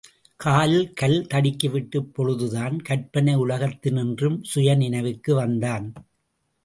காலில் கல் தடுக்கிவிட்ட பொழுதுதான், கற்பனை உலகத் தினின்றும் சுயநினைவுக்கு வந்தான்.